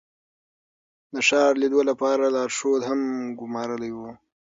د ښار لیدو لپاره لارښود هم ګمارلی و.